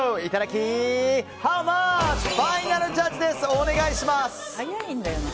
お願いします！